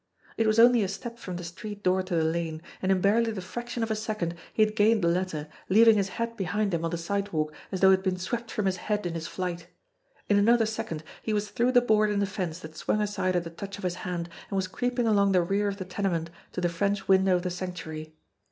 It was only a step from the street door to the lane, and in barely the fraction of a second he had gained the latter, leav ing his hat behind him on the sidewalk as though it had been swept from his head in his flight ; in another second he was through the board in the fence that swung aside at a touch of his hand, and was creeping along the rear of the tenement to the French window of the Sanctuary.